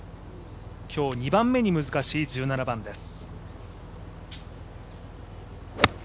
今日２番目に難しい１７番です。